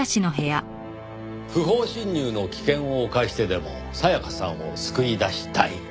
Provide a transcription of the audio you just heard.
不法侵入の危険を冒してでも沙也加さんを救い出したい。